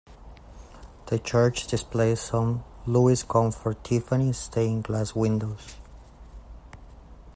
The church displays some Louis Comfort Tiffany stained glass windows.